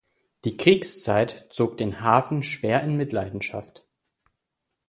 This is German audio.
Die Kriegszeit zog den Hafen schwer in Mitleidenschaft.